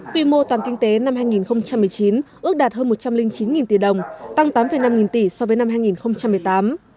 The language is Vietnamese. quy mô toàn kinh tế năm hai nghìn một mươi chín ước đạt hơn một trăm linh chín tỷ đồng tăng tám năm nghìn tỷ so với năm hai nghìn một mươi tám